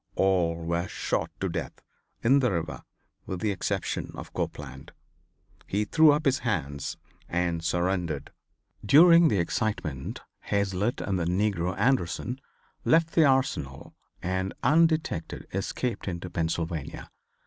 All were shot to death in the river with the exception of Copeland. He threw up his hands and surrendered. During the excitement Hazlitt and the negro Anderson left the Arsenal and, undetected, escaped into Pennsylvania.